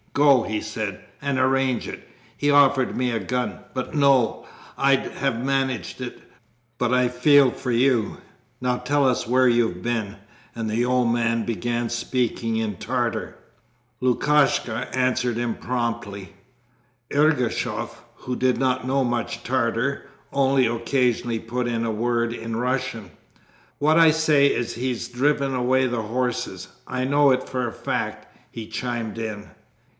"Go," he said, "and arrange it." He offered me a gun! But no. I'd have managed it, but I feel for you. Now tell us where have you been?' And the old man began speaking in Tartar. Lukashka answered him promptly. Ergushov, who did not know much Tartar, only occasionally put in a word in Russian: 'What I say is he's driven away the horses. I know it for a fact,' he chimed in.